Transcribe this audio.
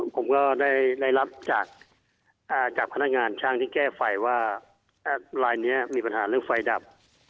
ผมก็ได้รับจากพนักงานช่างที่แก้ไฟว่าลายนี้มีปัญหาเรื่องไฟดับ